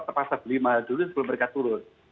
terpaksa beli mahal dulu sebelum mereka turun